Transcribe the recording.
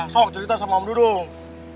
sok cerita sama om dudung